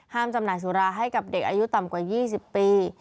จำหน่ายสุราให้กับเด็กอายุต่ำกว่า๒๐ปี